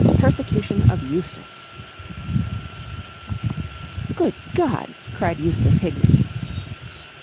PERSECUTION OF EUSTACE "Good God!" cried Eustace Hignett.